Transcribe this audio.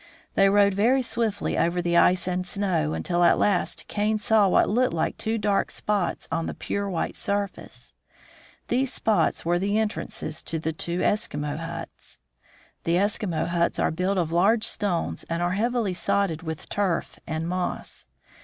They rode very swiftly over the ice and snow, until at last Kane saw what looked like two dark spots on the pure white surface. These spots were the entrances to two Eskimo huts. The Eskimo huts are built of large stones and are heavily sodded with turf or moss.